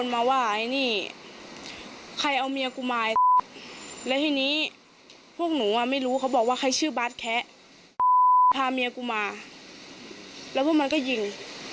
มาค่ะเมื่อคืนเขาเป็นคนยิง